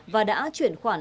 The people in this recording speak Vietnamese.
và đã chuyển khoản hai lần